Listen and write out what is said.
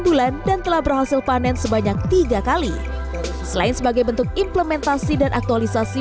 bulan dan telah berhasil panen sebanyak tiga kali selain sebagai bentuk implementasi dan aktualisasi